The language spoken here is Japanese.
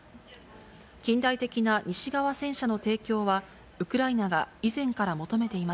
近代的な西側戦車の提供は、ウクライナが以前から求めていま